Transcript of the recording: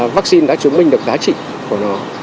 vaccine đã chứng minh được giá trị của nó